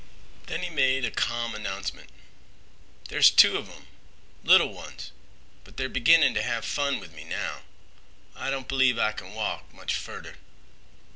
Then he made a calm announcement: "There's two of 'em—little ones—but they're beginnin' t' have fun with me now. I don't b'lieve I kin walk much furder."